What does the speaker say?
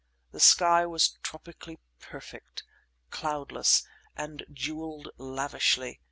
The sky was tropically perfect, cloudless, and jewelled lavishly.